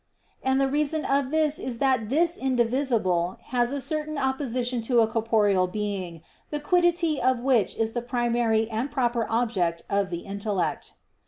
And the reason of this is that this indivisible has a certain opposition to a corporeal being, the quiddity of which is the primary and proper object of the intellect.